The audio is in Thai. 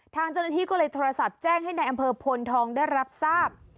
ทางเจ้าหน้าที่ก็เลยโทรศัพท์แจ้งให้นายอำเภอพลทองได้รับทราบ